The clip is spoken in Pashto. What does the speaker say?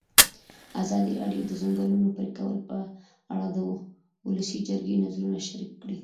ازادي راډیو د د ځنګلونو پرېکول په اړه د ولسي جرګې نظرونه شریک کړي.